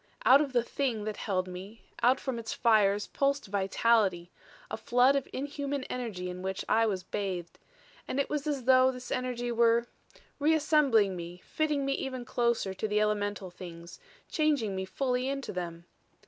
"Out of the Thing that held me, out from its fires pulsed vitality a flood of inhuman energy in which I was bathed. And it was as though this energy were reassembling me, fitting me even closer to the elemental things, changing me fully into them.